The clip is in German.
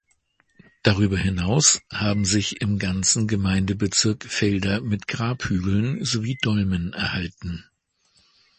Darüber hinaus haben sich im ganzen Gemeindebezirk Felder mit Grabhügeln sowie Dolmen erhalten.